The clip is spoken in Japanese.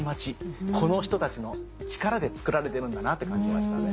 この人たちの力でつくられてるんだなって感じましたね。